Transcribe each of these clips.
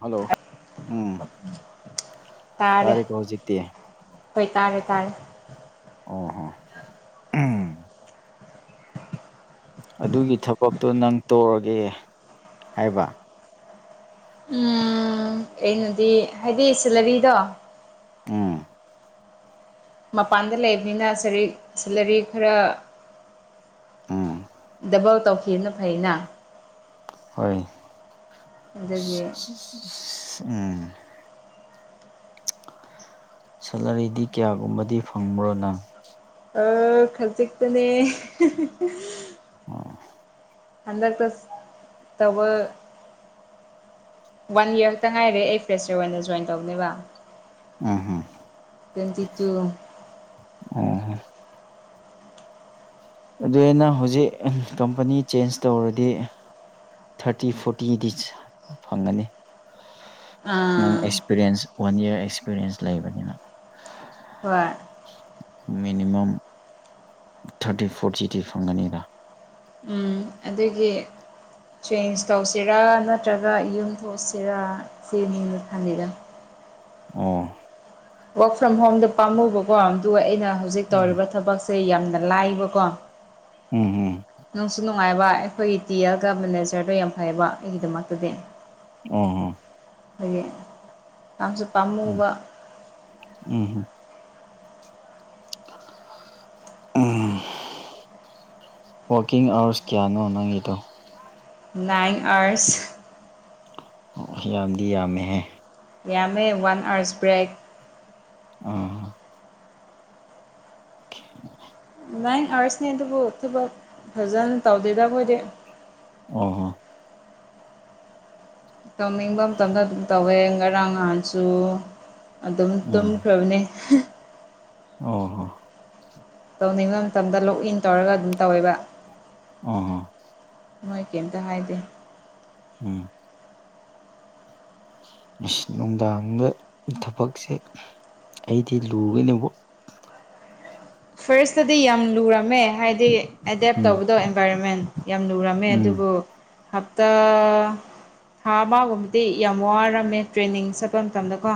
Hello ꯎꯝ ꯇꯥꯔ‌ꯦ ꯇꯥꯔꯦꯀꯣ ꯍꯧꯖꯤꯛꯇꯤ ꯍꯣꯏ ꯇꯥꯔꯦ ꯇꯥꯔ ꯑꯣ ꯍꯣ ꯎꯝ ꯑꯗꯨꯒꯤ ꯊꯕꯛꯇꯣ ꯅꯪ ꯇꯧꯔꯒꯦ ꯍꯥꯏꯕ ꯎꯝ ꯑꯩꯅꯗꯤ ꯍꯥꯏꯗꯤ ꯁꯦꯂꯔꯤꯗꯣ ꯎꯡ ꯃꯄꯥꯟꯗ ꯂꯩꯕꯅꯤ ꯁꯔꯤ ꯁꯦꯂꯔꯤ ꯈꯔ ꯎꯝ ꯗꯕꯜ ꯇꯧꯈꯤꯕꯅ ꯐꯩꯅ ꯍꯣꯏ ꯑꯗꯨꯒꯤ ꯎꯝ ꯁꯦꯂꯔꯤꯗꯤ ꯀꯌꯥꯒꯨꯝꯕꯗꯤ ꯐꯪꯕ꯭ꯔꯣ ꯅꯪ ꯑ ꯈꯖꯤꯛꯇꯅꯦ ꯑꯣ ꯍꯟꯗꯛꯇ ꯇꯧꯕ ꯋꯥꯟ ꯌꯔꯛꯇ ꯉꯥꯏꯔꯦ ꯑꯩ ꯐ꯭ꯔꯦꯁꯔ ꯑꯣꯏꯅ ꯖꯣꯏꯟ ꯇꯧꯅꯦꯕ ꯎꯝꯍꯨꯝ ꯇ꯭ꯋꯦꯟꯇꯤ ꯇꯨ ꯑꯣ ꯑꯗꯨꯗꯤ ꯅꯪ ꯍꯧꯖꯤꯛ ꯀꯝꯄꯅꯤ ꯆꯦꯟꯖ ꯇꯧꯔꯗꯤ ꯊꯥꯔꯇꯤ ꯐꯣꯔꯇꯤꯗꯤ ꯐꯪꯒꯅꯤ ꯑꯥ ꯑꯦꯛꯁꯄꯤꯔꯤꯌꯦꯟꯁ ꯋꯥꯟ ꯌꯥꯔ ꯑꯦꯛꯁꯄꯤꯔꯤꯌꯦꯟꯁ ꯂꯩꯕꯅꯤꯅ ꯍꯣꯏ ꯃꯤꯅꯤꯃꯝ ꯊꯥꯔꯇꯤ ꯐꯣꯔꯇꯤꯗꯤ ꯐꯪꯒꯅꯤꯗ ꯎꯝ ꯑꯗꯨꯒꯤ ꯆꯦꯟꯖ ꯇꯧꯁꯤꯔꯥ ꯅꯠꯇ꯭ꯔꯒ ꯌꯨꯝ ꯊꯣꯛꯁꯤꯔꯥ ꯁꯤꯅꯤꯅ ꯈꯟꯂꯤꯗ‌ꯣ ꯑꯣ ꯋꯥꯔꯛ ꯐ꯭ꯔꯣꯝ ꯍꯣꯝꯗ ꯄꯥꯝꯃꯨꯕꯀꯣ ꯑꯗꯨꯒ ꯑꯩꯅ ꯍꯧꯖꯤꯛ ꯎꯝ ꯇꯧꯔꯤꯕ ꯊꯕꯛꯁꯦ ꯌꯥꯝꯅ ꯂꯥꯏꯕꯀꯣ ꯎꯝ ꯎꯝ ꯅꯨꯡꯁꯨ ꯅꯨꯡꯉꯥꯏꯕ ꯑꯩꯈꯣꯏꯒꯤ ꯇꯤ ꯑꯦꯜꯒ ꯃꯦꯅꯦꯖꯔꯗꯣ ꯌꯥꯝ ꯐꯩꯌꯦꯕ ꯑꯩꯒꯤꯗꯃꯛꯇꯗꯤ ꯑꯣ ꯍ‌ꯣ ꯑꯗꯒꯤ ꯄꯥꯝꯁꯨ ꯎꯝ ꯄꯥꯝꯃꯨꯕ ꯎꯝ ꯍꯨꯝ [unintelligible] ꯋꯥꯥꯛꯀꯤꯡ ꯑꯋꯥꯔꯁ ꯀꯌꯥꯅꯣ ꯅꯪꯒꯤꯗꯣ ꯅꯥꯏꯟ ꯑꯥꯋ꯭ꯔꯁ ꯑꯣ ꯌꯥꯝꯗꯤ ꯌꯥꯝꯃꯦꯍꯦ ꯌꯥꯝꯃꯦ ꯋꯥꯟ ꯑꯥꯋꯔꯁ ꯕ꯭ꯔꯦꯛ ꯑ [inaudible] ꯅꯥꯏꯟ ꯑꯥꯋꯔꯁꯅꯦ ꯑꯗꯨꯕꯨ ꯊꯕꯛ ꯐꯖꯅ ꯇꯧꯗꯦꯗ ꯑꯈꯣꯏꯗꯤ ꯑꯣ ꯍꯣ ꯇꯧꯅꯤꯡꯕ ꯃꯇꯝꯗ ꯑꯗꯨꯝ ꯇꯧꯋꯦ ꯉꯔꯥꯡ ꯅꯍꯥꯟꯁꯨ ꯑꯗꯨꯝ ꯇꯨꯝ ꯎꯝ ꯈ꯭ꯔꯕꯅ‌ꯦ ꯑꯣ ꯇꯧꯅꯤꯡꯕ ꯃꯇꯝꯗ ꯂꯣꯛ ꯏꯟ ꯇꯧꯔꯒ ꯑꯗꯨꯝ ꯇꯧꯋꯦꯕ ꯑꯣ ꯃꯣꯏ ꯀꯩꯝꯇ ꯍꯥꯏꯗꯦ ꯎꯝ ꯅꯨꯡꯗꯥꯡꯗ ꯊꯕꯛꯁꯦ ꯑꯩꯗꯤ ꯂꯨꯒꯅꯤꯕꯨ ꯐꯥꯔꯁꯇꯗꯤ ꯌꯥꯝ ꯂꯨꯔꯝꯃꯦ ꯍꯥꯏꯗꯤ ꯑꯦꯗꯦꯞ ꯎꯝ ꯇꯧꯕꯗꯣ ꯑꯦꯟꯚꯥꯏꯔꯣꯟꯃꯦꯟ ꯌꯥꯝ ꯂꯔꯝꯃꯦ ꯎꯝ ꯑꯗꯨꯕꯨ ꯍꯞꯇꯥ ꯊꯥ ꯑꯃꯒꯨꯝꯕꯗꯤ ꯌꯥꯝ ꯋꯥꯔꯝꯃꯦ ꯇ꯭ꯔꯦꯟꯅꯤꯡ ꯆꯠꯄ ꯃꯇꯝꯗꯀꯣ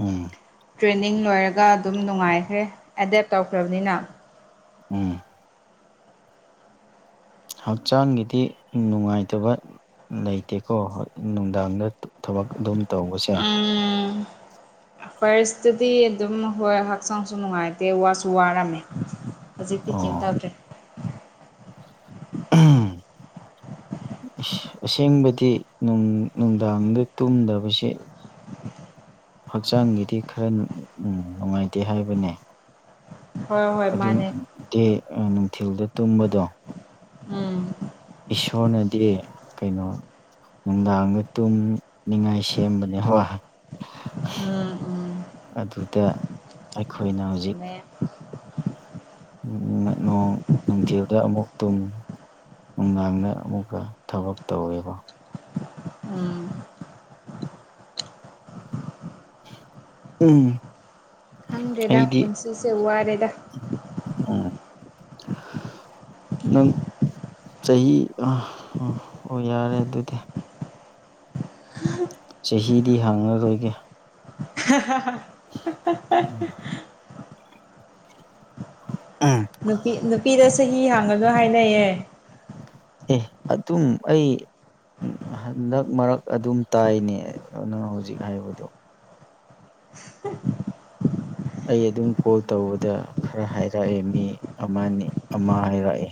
ꯎꯝ ꯇ꯭ꯔꯦꯅꯤꯡ ꯂꯣꯏꯔꯒ ꯑꯗꯨꯝ ꯅꯨꯡꯉꯥꯏꯈ꯭ꯔꯦ ꯑꯦꯗꯦꯠ ꯇꯧꯈ꯭ꯔꯕꯅꯤꯅ ꯎꯝ ꯍꯛꯆꯥꯡꯒꯤꯗꯤ ꯅꯨꯡꯉꯥꯏꯇꯕ ꯂꯩꯇꯦꯀꯣ ꯅꯨꯡꯗꯥꯡꯗ ꯊꯕꯛ ꯑꯗꯨꯝ ꯇꯧꯕꯁꯦ ꯎꯝ ꯄꯔꯤꯁꯇꯗꯤ ꯑꯗꯨꯝ ꯍꯣꯏ ꯍꯛꯆꯥꯡꯁꯨ ꯅꯨꯡꯉꯥꯏꯇꯦ ꯋꯥꯁꯨ ꯋꯥꯔꯝꯃꯦ ꯍꯧꯖꯤꯛꯇꯤ ꯀꯔꯤꯝ ꯑꯣ ꯇꯧꯗ꯭ꯔꯦ [unintelligible] ꯑꯁꯦꯡꯕꯗꯤ ꯅꯨꯡꯗꯥꯡꯗ ꯇꯨꯝꯗꯕꯁꯦ [inaudible] ꯍꯛꯆꯥꯡꯒꯤꯗꯤ ꯈꯔ ꯅꯨꯡꯉꯥꯏꯇꯦ ꯍꯥꯏꯕꯅꯦ ꯍꯣꯏ ꯍꯣꯏ ꯑꯗꯨꯝ ꯃꯥꯅꯦ ꯗꯦ ꯅꯨꯡꯊꯤꯜꯗ ꯇꯨꯝꯕꯗꯣ ꯎꯝ ꯏꯁꯣꯔꯅꯗꯤ ꯀꯩꯅꯣ ꯅꯨꯡꯗꯥꯡꯗ ꯇꯨꯝ ꯅꯤꯡꯉꯥꯏ ꯁꯦꯝꯕꯅꯦ ꯍꯣꯏ ꯎꯝ ꯎꯝ ꯑꯗꯨꯗ ꯑꯩꯈꯣꯏꯅ ꯍꯧꯖꯤꯛ ꯆꯨꯝꯃꯦ ꯅꯣꯡ ꯅꯨꯡꯊꯤꯜꯗ ꯑꯃꯨꯛ ꯇꯨꯝ ꯅꯨꯡꯗꯥꯡꯗ ꯑꯃꯨꯛꯀ ꯊꯕꯛ ꯇꯧꯋꯦꯕ ꯎꯝ ꯎꯝ ꯈꯪꯗ꯭ꯔꯦꯗ ꯑꯩꯗꯤ ꯄꯨꯟꯁꯤꯁꯦ ꯋꯥꯔꯦꯗ ꯎꯝ ꯅꯪ ꯆꯍꯤ ꯑꯣ ꯌꯥꯔꯦ ꯑꯗꯨꯗꯤ ꯆꯍꯤꯗꯤ ꯍꯥꯡꯉꯔꯣꯏꯒꯦ [inaudible] [unintelligible] ꯎꯝ ꯅꯨꯄꯤ ꯅꯨꯄꯤꯗ ꯆꯍꯤ ꯍꯥꯡꯉꯗꯣ ꯍꯥꯏꯅꯩꯌꯦ ꯑꯦ ꯑꯗꯨꯝ ꯑꯩ ꯎꯝ ꯍꯟꯗꯛ ꯃꯔꯛ ꯑꯗꯨꯝ ꯇꯥꯏꯅꯦ ꯑꯗꯨ ꯅꯪ ꯍꯧꯖꯤꯛ ꯍꯥꯏꯕꯗꯣ ꯑꯩ ꯑꯗꯨꯝ ꯀꯣꯜ ꯇꯧꯕꯗ ꯈꯔ ꯍꯥꯏꯔꯛꯑꯦ ꯃꯤ ꯑꯃꯅꯤ ꯑꯃ ꯍꯥꯏꯔꯛꯑꯦ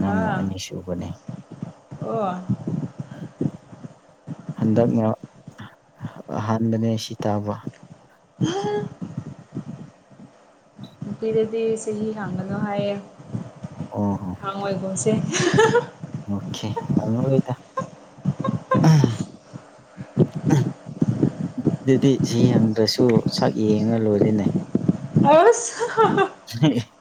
ꯅꯪꯅ ꯍꯥ ꯑꯅꯤꯁꯤ ꯑꯣ ꯍꯟꯗꯛꯅ ꯑꯍꯥꯟꯕꯅꯦ ꯁꯤ ꯇꯥꯕ [unintelligible] ꯅꯨꯄꯤꯗꯗꯤ ꯆꯍꯤ ꯍꯥꯡꯉꯗꯣ ꯍꯥꯏꯌꯦ ꯑꯣ ꯑ ꯍꯪꯉꯣꯏꯒꯨꯝꯁꯦ ꯑꯣꯀꯦ ꯍꯪꯉꯔꯣꯏꯗ ꯑꯗꯨꯗꯤ ꯖꯤ ꯍꯪꯗ꯭ꯔꯁꯨ ꯁꯛ ꯌꯦꯡꯉ ꯂꯣꯏꯔꯦꯅꯦ ꯑꯁ [unintelligible] [unintelligible]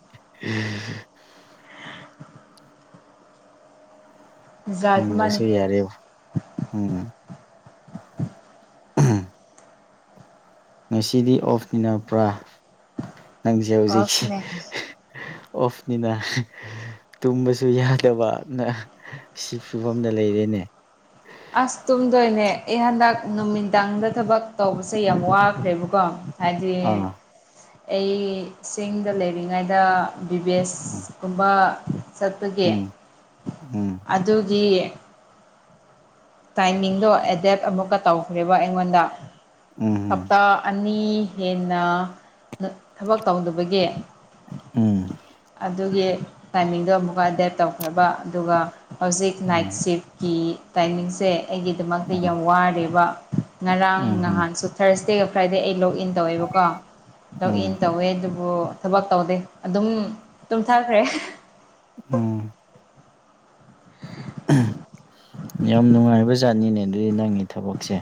ꯖꯥꯠ ꯍꯪꯗ꯭ꯔꯁꯨ ꯑꯃꯅꯤꯍꯦ ꯌꯥꯔꯦꯕꯣ ꯎꯝ ꯎꯝ ꯉꯁꯤꯗꯤ ꯑꯣꯐ ꯃꯤꯅꯥꯄ꯭ꯔꯥ ꯅꯪꯁꯦ ꯍꯧꯖꯤꯛꯁꯤ ꯑꯣꯐꯅꯦ ꯑꯣꯐꯅꯤꯅ ꯇꯨꯝꯕꯁꯨ ꯌꯥꯗꯕꯅ ꯁꯤ ꯐꯤꯕꯝꯗ ꯂꯩꯔꯦꯅꯦ ꯑꯁ ꯇꯨꯝꯗꯣꯏꯅꯦ ꯑꯩ ꯍꯟꯗꯛ ꯅꯨꯃꯤꯗꯥꯡꯗ ꯊꯕꯛ ꯇꯧꯕꯁꯦ ꯌꯥꯝ ꯋꯥꯈ꯭ꯔꯦꯕꯀꯣ ꯍꯥꯏꯗꯤ ꯑꯥ ꯑꯩ ꯆꯤꯡꯗ ꯂꯩꯔꯤꯉꯩꯗ ꯕꯤꯕꯦꯁ ꯎꯝ ꯀꯨꯝꯕ ꯆꯠꯄꯒꯤ ꯎꯝ ꯎꯝ ꯑꯗꯨꯒꯤ ꯇꯥꯏꯃꯤꯡꯗꯣ ꯑꯦꯗꯦꯞ ꯑꯃꯨꯛꯀ ꯇꯧꯈ꯭ꯔꯦꯕ ꯑꯩꯉꯣꯟꯗ ꯎꯝ ꯍꯞꯇꯥ ꯑꯅꯤ ꯍꯦꯟꯅ ꯊꯕꯛ ꯇꯧꯗꯕꯒꯤ ꯎꯝ ꯑꯗꯨꯒꯤ ꯇꯥꯏꯃꯤꯡꯗꯣ ꯑꯃꯨꯛꯀ ꯗꯦꯠ ꯇꯧꯈ꯭ꯔꯕ ꯑꯗꯨꯒ ꯍꯧꯖꯤꯛ ꯅꯥꯏꯠ ꯎꯝ ꯁꯤꯐꯀꯤ ꯇꯥꯏꯃꯤꯡꯁꯦ ꯑꯩꯒꯤꯗꯃꯛꯇ ꯌꯥꯝ ꯎꯝ ꯋꯥꯔꯦꯔꯤꯕ ꯉꯔꯥꯡ ꯎꯝ ꯎꯝ ꯅꯍꯥꯟꯁꯨ ꯊꯔꯁꯗꯦꯒ ꯐ꯭ꯔꯥꯏꯗꯦ ꯑꯩ ꯂꯣꯛꯏꯟ ꯇꯧꯋꯦꯕꯀꯣ ꯇꯣꯛ ꯏꯟ ꯎꯝ ꯇꯧꯋꯦ ꯑꯗꯨꯕꯨ ꯊꯕꯛ ꯇꯧꯗꯦ ꯑꯗꯨꯝ ꯇꯨꯝꯊꯈ꯭ꯔꯦ ꯎꯝ ꯌꯥꯝ ꯅꯨꯡꯉꯥꯏꯕ ꯥꯠꯅꯤꯅꯦ ꯑꯗꯨꯗꯤ ꯅꯪꯒꯤ ꯊꯕꯛꯁꯦ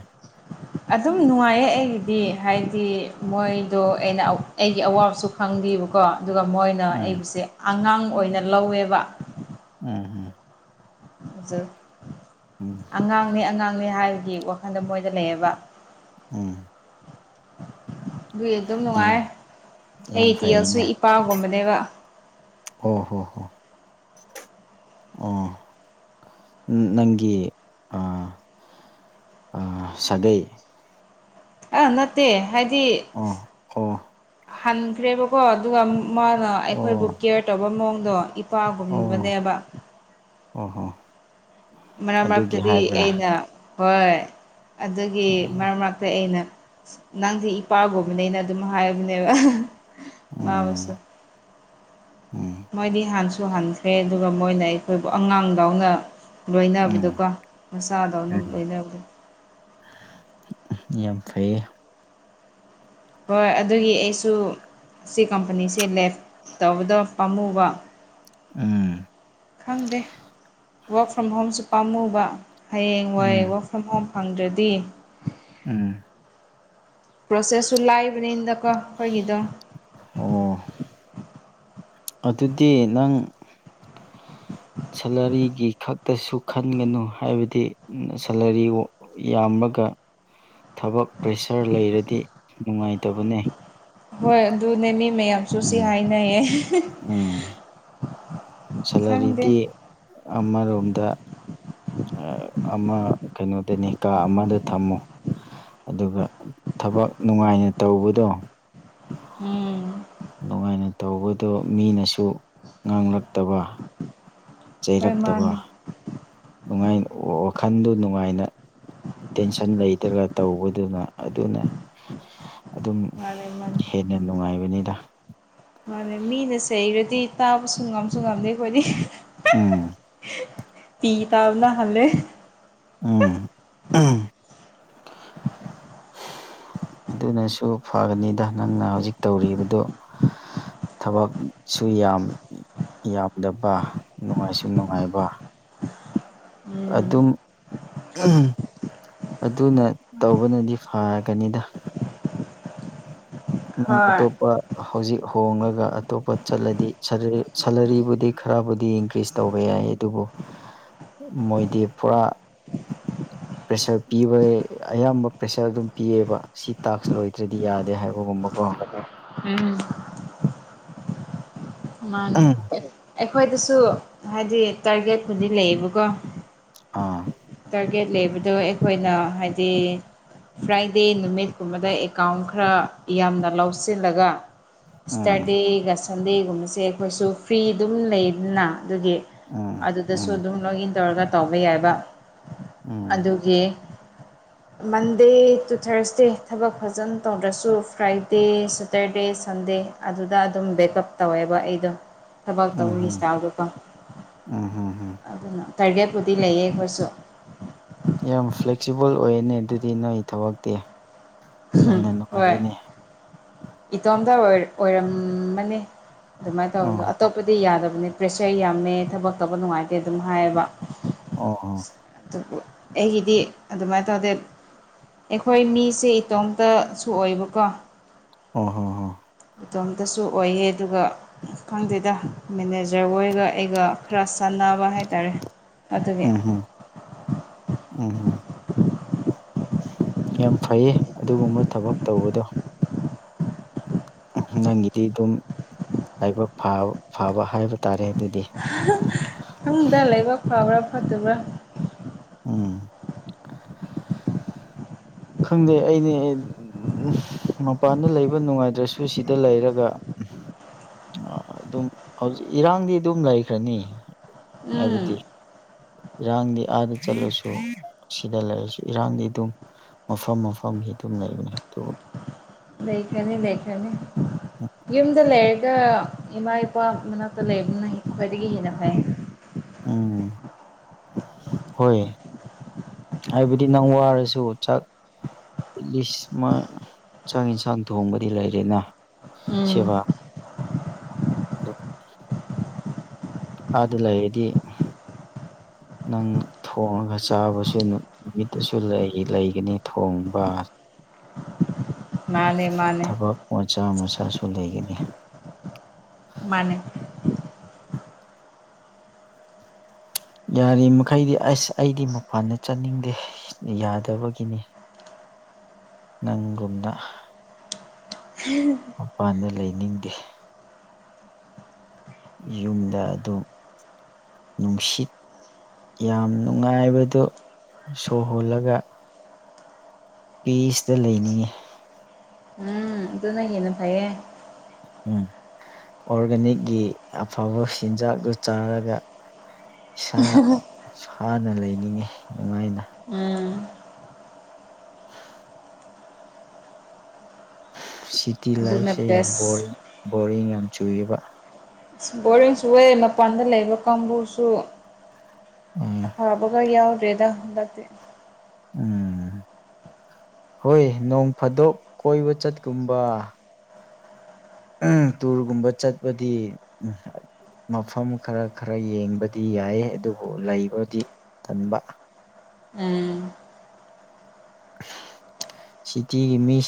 ꯑꯗꯨꯝ ꯅꯨꯡꯉꯥꯏꯌꯦ ꯑꯩꯒꯤꯗꯤ ꯍꯥꯏꯗꯤ ꯃꯣꯏꯗꯣ ꯑꯩꯅ ꯑꯩꯒꯤ ꯑꯋꯥꯕꯁꯨ ꯈꯪꯗꯕꯀꯣ ꯑꯗꯨꯒ ꯃꯣꯏꯅ ꯎꯝ ꯑꯩꯕꯨꯁꯦ ꯑꯉꯥꯡ ꯑꯣꯏꯅ ꯂꯧꯋꯦꯕ꯫ ꯎꯝꯝ [unintelligible] ꯎꯝ ꯎꯝ ꯑꯉꯥꯡꯅꯦ ꯑꯉꯥꯡꯅꯦ ꯍꯥꯏꯔꯗ ꯋꯥꯈꯜꯗꯨ ꯃꯣꯏꯗ ꯂꯩꯌꯦꯕ ꯎꯝ ꯑꯗꯨꯏ ꯑꯗꯨꯝ ꯅꯨꯡꯉꯥꯏ ꯌꯥꯝ ꯌꯥꯝ ꯑꯩ ꯇꯁꯨ ꯐꯩꯅꯦ ꯏꯄꯥꯒꯨꯝꯕꯅꯦꯕ ꯑꯣ ꯍꯣ ꯍꯣ [unintelligible] ꯑꯣ ꯅꯪꯒꯤ ꯑ ꯁꯥꯒꯩ ꯑꯥ ꯅꯠꯇꯦ ꯍꯥꯏꯗꯤ ꯑꯥ ꯍꯟꯈ꯭ꯔꯦꯕꯀꯣ ꯑꯗꯨꯒ ꯃꯥꯅ ꯑꯣ ꯑꯩꯈꯣꯏꯕꯨ ꯀꯦꯌꯔ ꯇꯧꯕ ꯃꯑꯣꯡꯗꯣ ꯑꯣ ꯄꯥꯒꯨꯝꯕꯅꯦꯕ ꯑꯣ ꯍꯣ ꯃꯔꯛ ꯑꯗꯨꯒꯤ ꯃꯔꯛꯇꯗꯤ ꯍꯥꯏꯕ꯭ꯔꯥ ꯑꯩꯅ ꯍꯣꯏ ꯑꯗꯨꯒꯤ ꯎꯝ ꯃꯔꯛ ꯃꯔꯛꯇ ꯑꯩꯅ ꯅꯪꯗꯤ ꯏꯄꯥꯕꯣꯕꯅꯦ ꯑꯩꯅ ꯑꯗꯨꯝ ꯍꯥꯏꯕꯅꯦꯕ ꯃꯥꯕꯨꯁꯨ ꯎꯝ ꯃꯣꯏꯗꯤ ꯍꯥꯟꯁꯨ ꯍꯟꯈ꯭ꯔꯦ ꯑꯗꯨꯒ ꯃꯣꯏꯅ ꯑꯩꯈꯣꯏꯕꯨ ꯑꯉꯥꯡꯗꯎꯅ ꯎꯝ ꯂꯣꯏꯅꯕꯗꯀꯣ ꯃꯆꯥꯗꯧꯅ ꯂꯣꯏꯅꯕꯗ ꯌꯥꯝ ꯐꯩꯌꯦ ꯍꯣꯏ ꯑꯗꯨꯒꯤ ꯑꯩꯁꯨ ꯁꯤ ꯀꯝꯄꯅꯤꯁꯦ ꯂꯦꯞ ꯇꯧꯕꯗ ꯄꯥꯝꯃꯨꯕ ꯎꯝ ꯈꯪꯗꯦ ꯋꯔꯛ ꯐ꯭ꯔꯣꯝ ꯍꯣꯝꯁꯨ ꯄꯥꯝꯃꯨꯕ ꯍꯌꯦꯡ ꯋꯥꯏꯦ ꯎꯝ ꯋ ꯐꯨꯝꯐꯝ ꯐꯪꯗ꯭ꯔꯗꯤ ꯎꯝ ꯄ꯭ꯔꯣꯁꯦꯁꯁꯨ ꯂꯥꯛꯕꯅꯤꯅꯗꯀꯣ ꯑꯩꯈꯣꯏꯒꯤꯗ ꯑꯣ ꯑꯗꯨꯗꯤ ꯅꯪ ꯁꯦꯂꯔꯤꯒꯤ ꯈꯛꯇꯁꯨ ꯈꯟꯒꯅꯨ ꯍꯥꯏꯕꯗꯤ ꯁꯦꯂꯔꯤ ꯌꯥꯝꯃꯒ ꯊꯕꯛ ꯄ꯭ꯔꯦꯁꯔ ꯂꯩꯔꯗꯤ ꯅꯨꯡꯉꯥꯏꯇꯕꯅꯦ ꯍꯣꯏ ꯑꯗꯨꯗꯨꯅꯦ ꯃꯤ ꯃꯌꯥꯝ ꯑꯞꯁꯣꯁꯤꯦ ꯎꯝ ꯍꯥꯏꯅꯌꯦ ꯎꯝ ꯈꯪꯗꯦ ꯁꯦꯂꯔꯤꯗꯤ ꯑꯃꯔꯣꯝꯗ ꯑꯃ ꯀꯩꯅꯣꯗꯅꯤ ꯀꯥ ꯑꯃꯗ ꯊꯝꯃꯨ ꯑꯗꯨꯒ ꯊꯕꯛ ꯅꯨꯡꯉꯥꯏꯅ ꯇꯧꯕꯗꯣ ꯎꯝ ꯅꯨꯡꯉꯥꯏꯅ ꯇꯧꯕꯗꯣ ꯃꯤꯅꯁꯨ ꯉꯥꯡꯂꯛꯇꯕ ꯍꯣꯏ ꯆꯩꯔꯛꯇꯕ ꯃꯥꯅꯦ ꯅꯨꯡꯉꯥꯏ ꯋꯥꯈꯜꯗꯨ ꯅꯨꯡꯉꯥꯏꯅ ꯇꯦꯟꯁꯟ ꯂꯩꯇ꯭ꯔꯒ ꯇꯧꯕꯗꯨꯅ ꯑꯗꯨꯅꯦ ꯑꯗꯨꯝ ꯃꯥꯅꯦ ꯃꯥꯅꯦ ꯍꯦꯟꯅ ꯅꯨꯡꯉꯥꯏꯕꯅꯤꯅ ꯃꯥꯅ ꯃꯤꯅꯁꯦ ꯍꯔꯗꯤ ꯇꯥꯕꯁꯨ ꯉꯝꯁꯨ ꯉꯝꯗꯦ ꯑꯩꯈꯣꯏꯗꯤ ꯎꯝ ꯄꯤ ꯇꯥꯕꯅ ꯈꯦ ꯎꯝ ꯑꯗꯨꯅꯁꯨ ꯐꯒꯅꯤꯗ ꯅꯪꯅ ꯍꯧꯖꯤꯛ ꯇꯧꯔꯤꯕꯗꯨ ꯊꯕꯛ ꯁ ꯌꯥꯝ ꯌꯥꯝꯗꯕ ꯅꯨꯡꯉꯥꯏꯁꯨ ꯅꯨꯡꯉꯥꯏꯕ ꯎꯝ ꯑꯗꯨꯝ [unintelligible] ꯑꯗꯨꯅ ꯇꯧꯕꯅꯗꯤ ꯐꯒꯅꯤꯗ ꯑ ꯍꯣꯏ ꯑꯇꯣꯞꯄ ꯍꯧꯖꯤꯛ ꯍꯣꯉꯒ ꯑꯇꯣꯞꯄ ꯆꯠꯂꯗꯤ ꯁꯦꯂꯔꯤꯕꯨꯗꯤ ꯈꯔꯕꯨꯗꯤ ꯏꯟꯀ꯭ꯔꯤꯖ ꯇꯧꯕ ꯌꯥꯏ ꯑꯗꯨꯕꯨ [inaudible] ꯃꯣꯏꯗꯤꯄꯨꯔꯥ ꯄ꯭ꯔꯦꯁꯔ ꯄꯤꯕ ꯑꯌꯥꯝꯕ ꯄ꯭ꯔꯦꯁꯔ ꯑꯗꯨꯝ ꯄꯤꯌꯦꯕ ꯁꯤ ꯇꯥꯛꯁ ꯂꯣꯏꯗ꯭ꯔꯗꯤ ꯌꯥꯗꯦ ꯍꯥꯏꯕꯒꯨꯝꯕ ꯀꯣ ꯎꯝ ꯃꯥꯅꯦ ꯎꯝ ꯑꯩꯈꯣꯏꯗꯁꯨ ꯍꯥꯏꯗꯤ ꯇꯥꯔꯒꯦꯠꯄꯨꯗꯤ ꯂꯩꯌꯦꯕꯀꯣ ꯑꯥ ꯇꯥꯔꯒꯦꯠ ꯂꯩꯕꯗꯣ ꯑꯩꯈꯣꯏꯅ ꯍꯥꯏꯗꯤ ꯐ꯭ꯔꯥꯏꯗꯦ ꯅꯨꯃꯤꯠꯀꯨꯝꯕꯗ ꯑꯦꯀꯥꯎꯟ ꯈꯔ ꯌꯥꯝꯅ ꯂꯧꯁꯤꯜꯂꯒ ꯎꯝ ꯁꯇꯔꯗꯦꯒ ꯁꯟꯗꯦꯒꯨꯝꯕꯁꯦ ꯑꯩꯈꯣꯏꯁꯨ ꯐ꯭ꯔꯤ ꯑꯗꯨꯝ ꯂꯩꯗꯅ ꯑꯗꯨꯒꯤ ꯎꯝ ꯑꯗꯨꯗꯁꯨ ꯎꯝ ꯑꯗꯨꯝ ꯂꯣꯛ ꯏꯟ ꯇꯧꯔꯒ ꯇꯧꯕ ꯌꯥꯏꯕ ꯎꯝ ꯑꯗꯨꯒꯤ ꯃꯟꯗꯦ ꯇꯨ ꯊꯔꯁꯗꯦ ꯊꯕꯛ ꯐꯖꯅ ꯇꯧꯗꯁꯨ ꯐ꯭ꯔꯥꯏꯗꯦ ꯁꯇꯔꯗꯦ ꯁꯟꯗꯦ ꯑꯗꯨꯗ ꯑꯗꯨꯝ ꯕꯦꯛꯀꯞ ꯇꯧꯋꯦꯕ ꯑꯩꯗꯣ ꯊꯕꯛ ꯎꯝ ꯇꯧꯕꯒꯤ ꯎꯝ ꯏꯁꯇꯥꯜꯗꯨꯀꯣ ꯎꯝ ꯍꯝ ꯍꯝ ꯑꯗꯨꯅ ꯄ꯭ꯔꯥꯏꯕꯦꯠꯄꯨꯗꯤ ꯂꯩꯌꯦ ꯑꯩꯈꯣꯏꯁꯨ꯫ ꯌꯥꯝ ꯐ꯭ꯂꯦꯛꯁꯤꯕꯜ ꯑꯣꯏꯅꯦ ꯑꯗꯨꯗꯤ ꯅꯣꯏ ꯊꯕꯛꯇꯤ ꯌꯥꯝꯅ ꯍꯣꯏ ꯅꯨꯡꯉꯥꯏꯌꯦꯅꯦ ꯏꯇꯣꯝꯇ ꯑꯣꯏ ꯑꯣꯏꯔꯝꯃꯅꯤ ꯑꯗꯨꯃꯥꯏꯅ ꯇꯧꯕꯋꯗꯣ ꯑꯣ ꯑꯇꯣꯞꯄꯗꯤ ꯌꯥꯗꯕꯅꯦ ꯄ꯭ꯔꯦꯁꯔ ꯌꯥꯝꯃꯦ ꯊꯕꯛ ꯇꯧꯕ ꯅꯨꯡꯉꯥꯏꯇꯦ ꯑꯗꯨꯝ ꯍꯥꯏꯌꯦꯕ ꯑꯣ ꯑ ꯑꯗꯨꯕꯨ ꯑꯩꯒꯤꯗꯤ ꯑꯗꯨꯃꯥꯏꯅ ꯇꯧꯗꯦ ꯑꯩꯈꯣꯏ ꯃꯤꯁꯦ ꯏꯇꯣꯝꯇꯁꯨ ꯑꯣꯏꯕꯀꯣ ꯑꯣ ꯍ ꯍ ꯃꯇꯇꯣꯝꯇꯁꯨ ꯑꯣꯏꯌꯦ ꯑꯗꯨꯒ ꯈꯪꯗꯦꯗ ꯃꯦꯅꯦꯖꯔ ꯍꯣꯏꯒ ꯑꯩꯒ ꯈꯔ ꯆꯥꯟꯅꯕ ꯍꯥꯏ ꯇꯔꯦ ꯎꯝꯍꯝ ꯎꯝꯍꯝ ꯌꯥꯝ ꯐꯩꯌꯦ ꯑꯗꯨꯒꯨꯝꯕ ꯊꯕꯛ ꯇꯧꯕꯗꯣ ꯅꯪꯒꯤꯗꯤ ꯑꯗꯨꯝ ꯂꯥꯏꯕꯛ ꯐꯕ ꯍꯥꯏꯕ ꯇꯥꯔꯦ ꯑꯗꯨꯗꯤ ꯐꯥꯃꯨꯡꯗ ꯂꯩꯕ ꯐꯕ꯭ꯔꯥ ꯐꯠꯇꯕ꯭ꯔꯥ ꯎꯝ ꯈꯪꯗꯦ ꯑꯩꯅꯦ ꯃꯄꯥꯟꯗ ꯂꯩꯕ ꯅꯨꯡꯉꯥꯏꯗ꯭ꯔꯁꯨ ꯁꯤꯗ ꯂꯩꯔꯒ ꯑ ꯑꯗꯨꯝ ꯍꯧꯖꯤꯛ ꯏꯔꯥꯡꯗꯤ ꯑꯗꯨꯝ ꯂꯩꯈ꯭ꯔꯅꯤ ꯎꯝ ꯍꯥꯏꯕꯗꯤ ꯏꯔꯥꯡꯗꯤ ꯑꯥꯗ ꯆꯠꯂꯨꯁꯨ ꯑꯁꯤꯗ ꯂꯩꯔꯁꯨ ꯏꯔꯥꯡꯗꯤ ꯑꯗꯨꯝ ꯃꯐꯝ ꯃꯐꯝꯒꯤ ꯑꯗꯨꯝ ꯂꯩꯕꯅꯦ ꯑꯗꯨꯕꯨ ꯂꯩꯦꯈꯅꯤ ꯂꯩꯦꯈꯅꯤ ꯒꯤꯝꯗꯂ ꯍꯦꯛꯇ ꯏꯃꯥ ꯏꯄꯥ ꯃꯅꯥꯛꯇ ꯂꯩꯕꯅꯤꯅ ꯈ꯭ꯋꯥꯏꯗꯒꯤ ꯍꯦꯟꯅ ꯐꯩ ꯎꯝ [unintelligible] ꯍꯣꯏ ꯍꯥꯏꯕꯗꯤ ꯅꯪ ꯋꯥꯔꯁꯨ ꯆꯥꯛ ꯑꯦꯠ ꯂꯤꯁ ꯑꯃ ꯆꯥꯛ ꯌꯦꯟꯁꯥꯡ ꯊꯣꯡꯕꯗꯤ ꯂꯩꯔꯦꯅ ꯎꯝ ꯁꯕꯥ ꯑꯗꯨ ꯂꯩꯗꯤ [unintelligible] ꯅꯪ ꯊꯣꯡꯉꯒ ꯆꯥꯕꯁꯨ ꯑꯗꯨꯝ ꯅꯨꯃꯤꯠꯇꯁꯨ ꯂꯩ ꯂꯩꯒꯅꯤ ꯊꯣꯡꯕ ꯃꯥꯅꯦ ꯃꯥꯅꯦ ꯑꯣꯖꯥ ꯃꯁꯥꯁꯨ ꯂꯩꯒꯅꯤ ꯃꯥꯅꯦ ꯌꯥꯔꯤꯃꯩꯗꯤ ꯑꯁ ꯑꯩꯗꯤ ꯃꯄꯥꯟꯗ ꯆꯠꯅꯤꯡꯗꯦ ꯌꯥꯗꯕꯒꯤꯅꯤ ꯅꯪꯒꯨꯝꯗ ꯎꯝ ꯃꯄꯥꯟꯗ ꯂꯩꯅꯤꯡꯗꯦ ꯌꯨꯝꯗ ꯑꯗꯨꯝ ꯅꯨꯡꯁꯤꯠ ꯌꯥꯝ ꯅꯨꯡꯉꯥꯏꯕꯗꯣ ꯁꯣꯍꯣꯜꯂꯒ ꯄꯤꯁꯇ ꯂꯩꯅꯤꯡꯉꯦ ꯎꯝ ꯑꯗꯨꯣꯅ ꯍꯦꯟꯅ ꯐꯌꯦ ꯎꯝ ꯑꯣꯔꯒꯥꯅꯤꯛꯀꯤ ꯑꯐꯕ ꯆꯤꯟꯖꯥꯛꯇꯨ ꯆꯥꯔꯒ ꯏꯁꯥ ꯁꯅ ꯂꯩꯅꯤꯡꯉꯤ ꯅꯨꯡꯉꯥꯏꯅ ꯎꯝ [unintelligible] ꯁꯤꯇꯤ ꯑꯗꯨꯅ ꯂꯥꯏꯐꯁꯦ ꯌꯥꯝ ꯕꯦꯁ ꯕꯣꯔꯤꯡ ꯕꯣꯔꯤꯡ ꯌꯥꯝ ꯆꯨꯏꯕ ꯏꯁ ꯕꯣꯔꯤꯡ ꯆꯨꯌꯦ ꯃꯄꯥꯟꯗ ꯂꯩꯕ ꯀꯥꯡꯕꯨꯁꯨ ꯎꯝ ꯍꯥꯕꯒ ꯌꯥꯎꯔꯦꯗ ꯍꯗꯗꯤ ꯎꯝ ꯍꯣꯏ ꯅꯣꯡ ꯐꯥꯗꯣꯛ ꯀꯣꯏꯕ ꯆꯠꯀꯨꯝꯕ ꯇꯨꯔꯒꯨꯝꯕ ꯆꯠꯄꯗꯤ ꯎꯝ ꯃꯐꯝ ꯈꯔ ꯈꯔ ꯌꯦꯡꯕꯗꯤ ꯌꯥꯏꯌꯦ ꯑꯗꯨꯕꯨ ꯂꯩꯕꯗꯤ ꯇꯟꯕ ꯎꯝ ꯁꯤꯇꯤꯒꯤ ꯃꯤꯁ